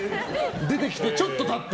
出てきてちょっと経って。